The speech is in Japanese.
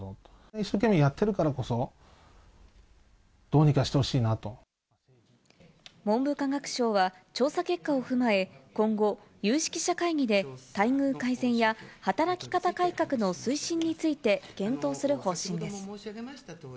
一生懸命やってるからこそ、文部科学省は調査結果を踏まえ、今後、有識者会議で待遇改善や働き方改革の推進について、検討する方針です。